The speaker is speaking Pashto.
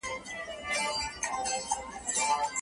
د نورو خلکو نظرونو ته یوازې په کتو بسنه مه کوئ.